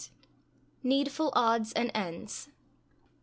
NEEDFULL ODDS AND ENDS.